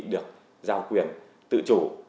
được giao quyền tự chủ